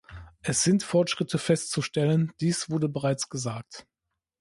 Es sind Fortschritte festzustellen, dies wurde bereits gesagt.